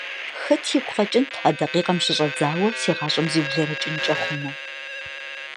Хэт игу къэкӀынт а дакъикъэм щыщӀэдзауэ си гъащӀэм зиублэрэкӀынкӀэ хъуну…